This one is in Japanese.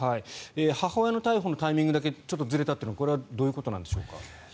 母親の逮捕のタイミングだけちょっとずれたというのはどういうことなんでしょうか？